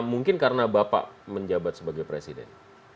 mungkin karena bapak menjabat sebagai presiden